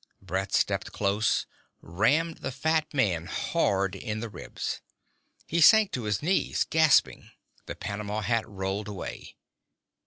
Brett stepped close, rammed the fat man hard in the ribs. He sank to his knees, gasping. The panama hat rolled away.